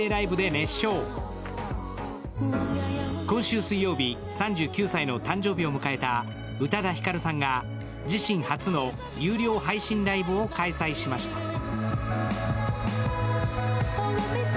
今週水曜日、３９歳の誕生日を迎えた宇多田ヒカルさんが自身初の有料配信ライブを開催しました。